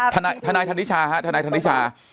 ทันนี้ถ้าธนายธนิชาฮะธนายธนิชา